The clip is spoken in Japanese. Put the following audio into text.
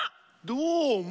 どうも。